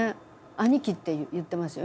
「兄貴」って言ってますよ。